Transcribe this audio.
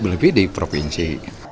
lebih di provinsi